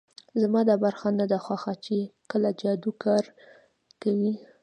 زما دا برخه نه ده خوښه چې کله جادو کار کوي